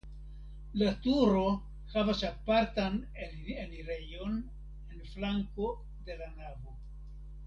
La turo havas apartan enirejon en flanko de la navo.